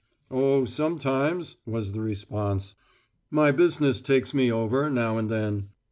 "Oh, sometimes," was the response. "My business takes me over, now and then.